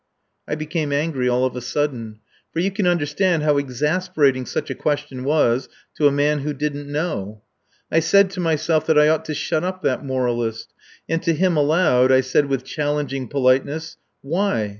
I became angry all of a sudden; for you can understand how exasperating such a question was to a man who didn't know. I said to myself that I ought to shut up that moralist; and to him aloud I said with challenging politeness: "Why ...?